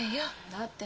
だって。